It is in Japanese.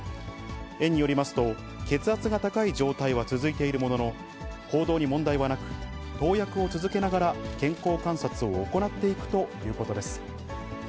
園によりますと、血圧が高い状態は続いているものの、行動に問題はなく、投薬を続けながら健康観察を行っていくということです。